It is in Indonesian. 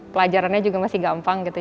pelajarannya juga masih gampang gitu